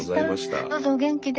どうぞお元気で。